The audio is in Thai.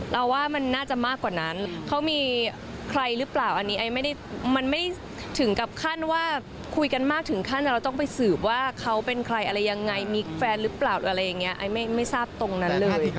เราว่ามันน่าจะมากกว่านั้นเขามีใครหรือเปล่าอันนี้ไอ้ไม่ได้มันไม่ถึงกับขั้นว่าคุยกันมากถึงขั้นเราต้องไปสืบว่าเขาเป็นใครอะไรยังไงมีแฟนหรือเปล่าอะไรอย่างนี้ไอ้ไม่ทราบตรงนั้นเลย